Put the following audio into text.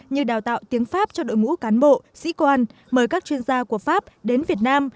như đào tạo tiếng pháp cho đội ngũ cán bộ sĩ quan mời các chuyên gia của pháp đến việt nam